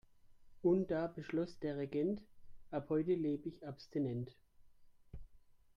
Und da beschloss der Regent: Ab heute lebe ich abstinent.